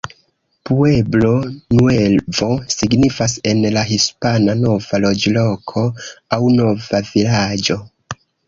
Pueblo Nuevo signifas en la hispana "nova loĝloko" aŭ "nova vilaĝo".